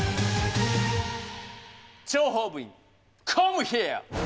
諜報部員コムヒア！